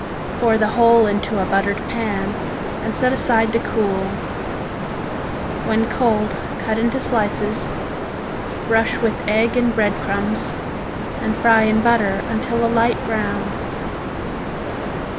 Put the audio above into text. Pour the whole into a buttered pan and set aside to cool. When cold cut into slices, brush with egg and bread crumbs and fry in butter until a light brown.